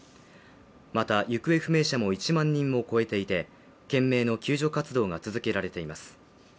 また、行方不明者も１万人を超えていて懸命の救助活動が続けられています。